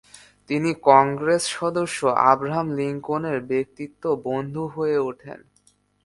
তিনি কংগ্রেস সদস্য আব্রাহাম লিঙ্কনের ব্যক্তিগত বন্ধু হয়ে ওঠেন।